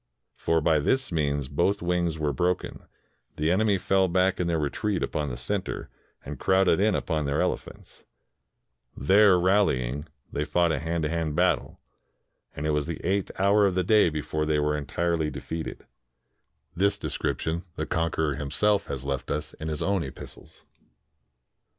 For by this means both wings being broken, the enemies fell back in their retreat upon, the center, and crowded in upon their elephants. There rally ing they fought a hand to hand battle, and it was the eighth hour of the day before they were entirely de ^ Two and a half miles. 84 ALEXANDER THE GREAT IN INDIA feated. This description the conqueror himself has left us in his own epistles.